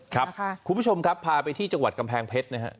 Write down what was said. คุณผู้ชมครับพาไปที่จังหวัดกำแพงเพชรนะครับ